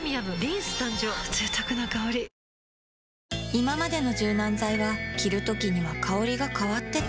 いままでの柔軟剤は着るときには香りが変わってた